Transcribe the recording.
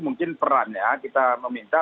mungkin perannya kita meminta